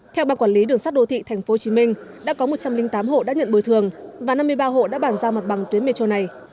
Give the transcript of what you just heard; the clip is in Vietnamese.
theo ban quản lý đường sắt đô thị tp hcm đã có một trăm linh tám hộ đã nhận bồi thường và năm mươi ba hộ đã bàn giao mặt bằng tuyến metro này